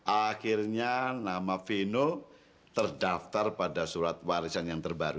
akhirnya nama vino terdaftar pada surat warisan yang terbaru